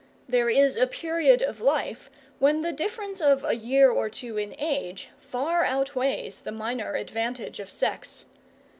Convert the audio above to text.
There is a period of life when the difference of a year or two in age far outweighs the minor advantage of sex.